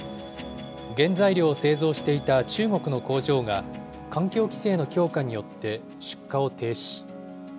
原材料を製造していた中国の工場が、環境規制の強化によって出荷を停止。